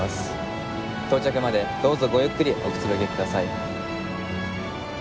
到着までどうぞごゆっくりおくつろぎください。